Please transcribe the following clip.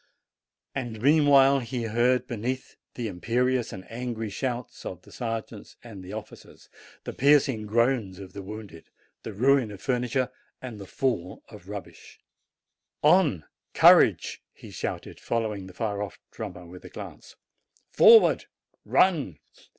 And meanwhile he heard the whistle and the crash of the bullets in the rooms beneath, the imperious and angry shouts of the ser geants and the officers, the piercing groans of the wounded, the ruin of furniture, and the fall of rub bish. "On! courage!" he shouted, following the far off drummer with a glance. "Forward! run!